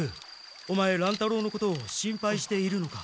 オマエ乱太郎のことを心配しているのか。